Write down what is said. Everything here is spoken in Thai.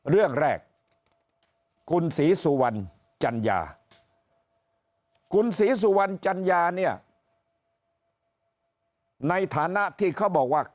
เรื่องแรกคุณศรีสุวรรณจัญญาคุณศรีสุวรรณจัญญาเนี่ยในฐานะที่เขาบอกว่า